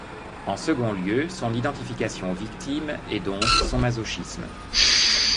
En second lieu, son identification aux victimes et donc son masochisme.